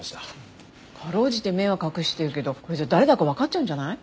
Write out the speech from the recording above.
かろうじて目は隠してるけどこれじゃ誰だかわかっちゃうんじゃない？